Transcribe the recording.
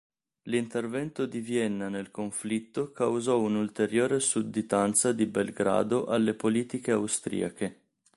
L'intervento di Vienna nel conflitto causò un'ulteriore sudditanza di Belgrado alle politiche austriache.